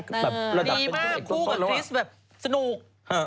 ดีมากคู่กับคริสแบบสนุก